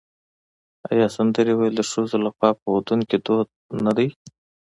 آیا سندرې ویل د ښځو لخوا په ودونو کې دود نه دی؟